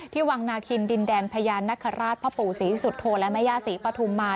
ที่วังนาคินดินแดนพญานนักขราชพระปู่ศรีสุธโฑและมะยาศรีปฐุมา